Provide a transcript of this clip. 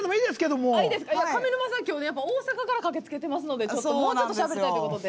上沼さん、今日大阪から駆けつけてますのでもうちょっとしゃべりたいということで。